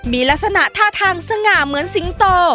มีลักษณะท่าทางสง่าเหมือนสิงโต